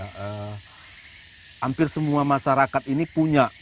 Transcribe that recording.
hampir semua masyarakat ini punya